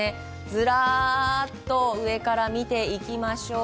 ずらっと上から見ていきましょう。